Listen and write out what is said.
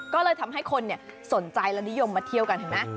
ก็เลยทำให้คนสนใจและนิยมมาเที่ยวกันเห็นไหม